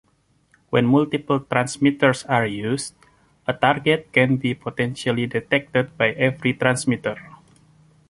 When multiple transmitters are used, a target can be potentially detected by every transmitter.